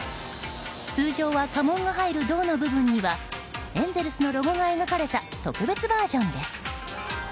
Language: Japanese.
通常は家紋が入る胴の部分にはエンゼルスのロゴが描かれた特別バージョンです。